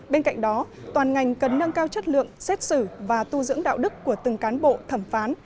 bên cạnh đó toàn ngành cần nâng cao chất lượng xét xử và tu dưỡng đạo đức của từng cán bộ thẩm phán